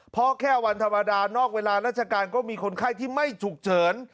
เพราะแค่วันธรรมดานอกเวลาราชการก็มีคนไข้ที่ไม่ฉุกเฉิน